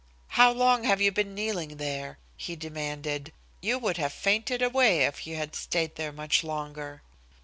"How long have you been kneeling there?" he demanded. "You would have fainted away if you had stayed there much longer."